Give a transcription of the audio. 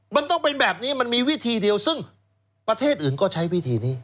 มันต้องเป็นแบบนี้มันมีวิธีเดียวซึ่งประเทศอื่นก็ใช้วิธีนี้